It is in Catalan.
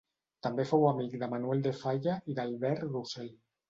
També fou amic de Manuel de Falla i d'Albert Roussel.